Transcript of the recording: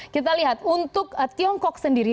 kita lihat untuk tiongkok sendiri